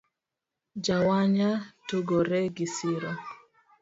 Jawanya tugore gisiro